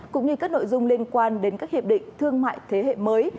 cũng như các nội dung liên quan đến các hiệp định thương mại thế hệ mới